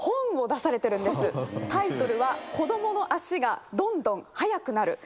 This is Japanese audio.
タイトルは『子どもの足がどんどん速くなる』